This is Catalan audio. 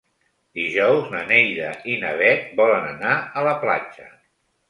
Dijous na Neida i na Bet volen anar a la platja.